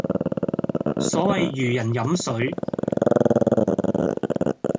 所謂如人飲水